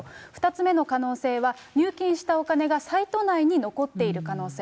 ２つ目の可能性は入金したお金がサイト内に残っている可能性。